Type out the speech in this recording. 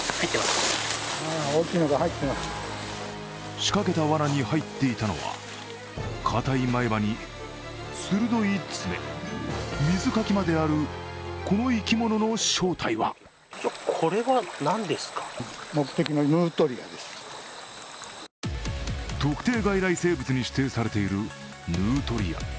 仕掛けたわなに入っていたのは、硬い前歯に鋭い爪、水かきまである、この生き物の正体は特定外来生物に指定されているヌートリア。